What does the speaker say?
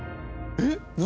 えっ何？